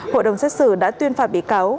hội đồng xét xử đã tuyên phạt bị cáo